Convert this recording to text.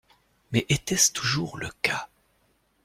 Mais était-ce toujours le cas?